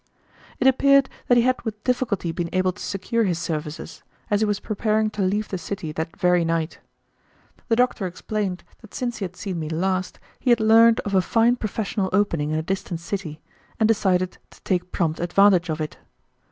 It appeared that he had with difficulty been able to secure his services, as he was preparing to leave the city that very night. The doctor explained that since he had seen me last he had learned of a fine professional opening in a distant city, and decided to take prompt advantage of it.